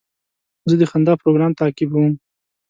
زه د خندا پروګرام تعقیبوم.